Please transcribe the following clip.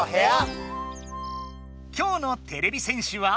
きょうのてれび戦士は。